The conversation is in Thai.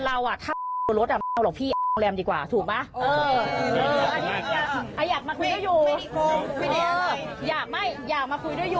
ข้างบนรถอ่ะไม่เอาหรอกพี่โรงแรมดีกว่าถูกไหม